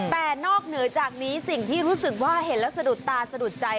แต่นอกเหนือจากนี้สิ่งที่รู้สึกว่าเห็นแล้วสะดุดตาสะดุดใจ